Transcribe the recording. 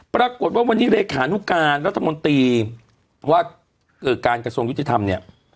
ปรากฏว่าวันนี้เลขานุการรัฐมนตรีว่าการกระทรวงยุติธรรมเนี่ย